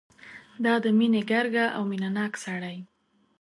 دا د مینې ګرګه او مینه ناک سړی.